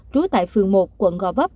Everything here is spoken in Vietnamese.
trú tại phường một quận gò vấp